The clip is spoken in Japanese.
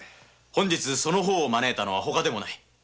その方らを招いたのは外でもない。